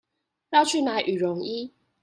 繞去買羽絨衣